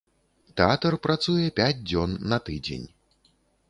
Тэатр працуе пяць дзён на тыдзень.